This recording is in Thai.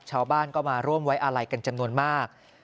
ชาวบ้านก็มาร่วมไว้อาลัยกันจำนวนมาก